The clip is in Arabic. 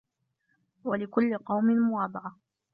وَلِكُلِّ قَوْمٍ مُوَاضَعَةٌ